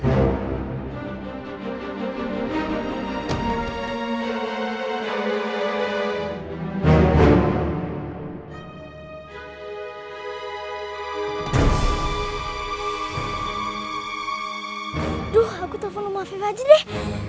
aduh aku telepon rumah viv aja deh